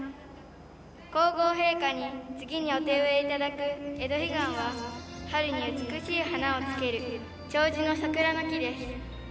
皇后陛下に次にお手植えいただくエドヒガンは春に美しい花をつける長寿の桜の木です。